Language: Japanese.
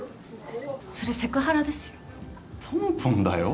それセクハラですよ。